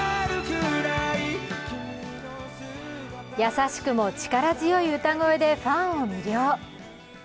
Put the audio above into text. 優しくも力強い歌声でファンを魅了。